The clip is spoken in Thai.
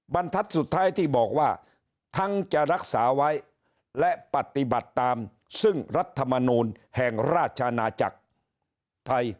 บรรทัศน์สุดท้ายที่บอกว่าทั้งจะรักษาไว้และปฏิบัติตามซึ่งรัฐมนูลแห่งราชนาจักรไทย